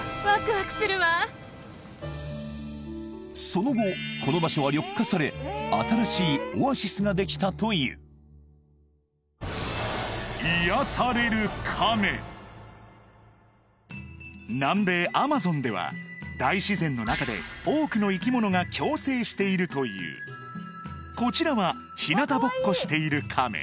その後この場所は緑化され新しいオアシスができたという南米アマゾンでは大自然の中で多くの生き物が共生しているというこちらはひなたぼっこしているカメ